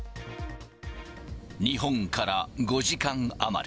日本から５時間余り。